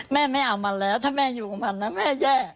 แม่ไม่เอามันแล้วถ้าแม่อยู่กับมันนะแม่แย่